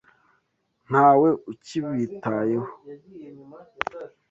Ntawe ukibitayeho.